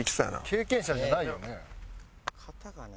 経験者じゃないよね？